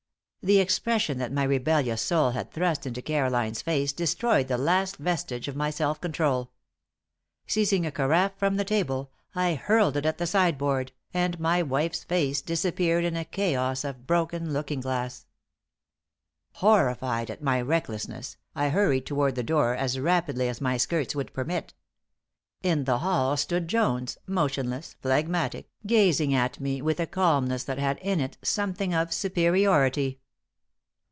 The expression that my rebellious soul had thrust into Caroline's face destroyed the last vestige of my self control. Seizing a carafe from the table, I hurled it at the sideboard, and my wife's face disappeared in a chaos of broken looking glass. Horrified at my recklessness, I hurried toward the door as rapidly as my skirts would permit. In the hall stood Jones, motionless, phlegmatic, gazing at me with a calmness that had in it something of superiority.